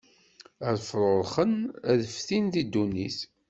Ad fṛuṛxen, ad ftin di ddunit.